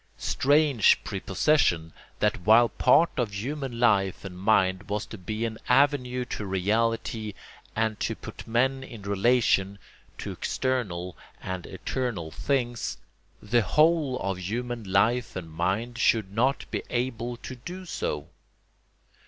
Strange prepossession, that while part of human life and mind was to be an avenue to reality and to put men in relation to external and eternal things, the whole of human life and mind should not be able to do so!